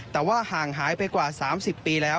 แต่ว่าห่างหายไปกว่า๓๐ปีแล้ว